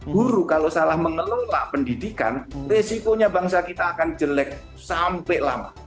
guru kalau salah mengelola pendidikan resikonya bangsa kita akan jelek sampai lama